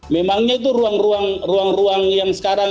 memangnya itu ruang ruang yang sekarang